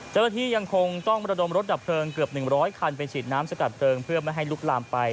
เจ้าละที่ยังคงต้องมรดมรถดับเพลิงเกือบ๑๐๐คันเป็นสิทธิ์น้ำสกัดเติมเพื่อไม่ให้ลุกลามไป